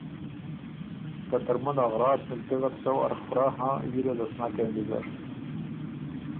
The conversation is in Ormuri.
که ترمُن ا غراس مِلتِغ ات سۀ وار خورۀ هن ییله ده سو نک کېم ویزر